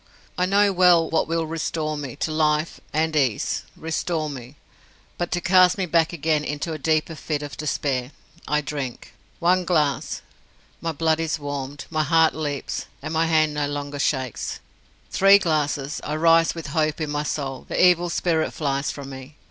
I know well what will restore me to life and ease restore me, but to cast me back again into a deeper fit of despair. I drink. One glass my blood is warmed, my heart leaps, my hand no longer shakes. Three glasses I rise with hope in my soul, the evil spirit flies from me.